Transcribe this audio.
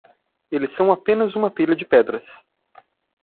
Eles são apenas uma pilha de pedras.